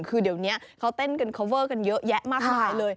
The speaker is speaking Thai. คือเดี๋ยวนี้เขาเต้นกันคอเวอร์กันเยอะแยะมากมายเลย